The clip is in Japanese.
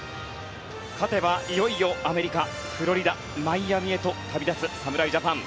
勝てば、いよいよアメリカフロリダ・マイアミへと旅立つ侍ジャパン。